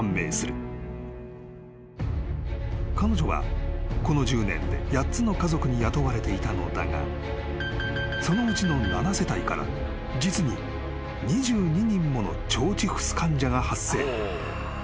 ［彼女はこの１０年で８つの家族に雇われていたのだがそのうちの７世帯から実に２２人もの腸チフス患者が発生］